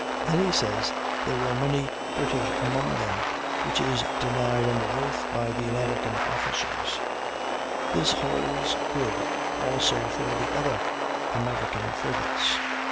Then he says there were many British among them, which is denied under oath by the American officers; this holds good also for the other American frigates.